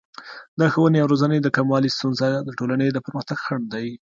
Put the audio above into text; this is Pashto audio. د ښوونې او روزنې د کموالي ستونزه د ټولنې د پرمختګ خنډ دی.